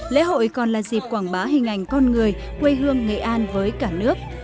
lễ hội còn là dịp quảng bá hình ảnh con người quê hương nghệ an với cả nước